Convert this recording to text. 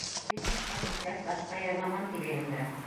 Бизнесҡа күскәс башҡа йырламам тигәйнем дә.